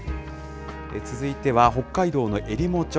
続いては、北海道のえりも町。